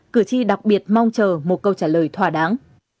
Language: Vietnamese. cử tri đặc biệt mong chờ một câu trả lời thỏa đáng